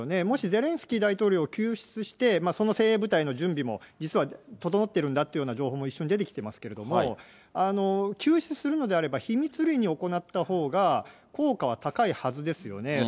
もしゼレンスキー大統領を救出して、その精鋭部隊の準備も、実は整っているんだというような情報も一緒に出てきてますけど、救出するのであれば秘密裏に行ったほうが、効果は高いはずですよね。